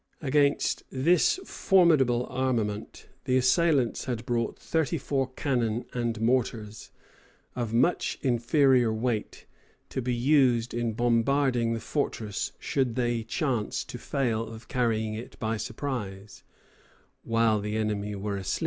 Against this formidable armament the assailants had brought thirty four cannon and mortars, of much inferior weight, to be used in bombarding the fortress, should they chance to fail of carrying it by surprise, "while the enemy were asleep."